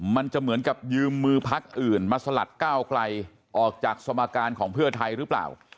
มันจะเหมือนกับยืมมือพักอื่นมาสลัดก้าวไกลออกจากสมการของเพื่อไทยหรือเปล่า